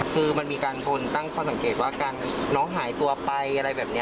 คือมันมีการคนตั้งข้อสังเกตว่าการน้องหายตัวไปอะไรแบบนี้